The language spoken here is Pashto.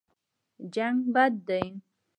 جنګ بد دی.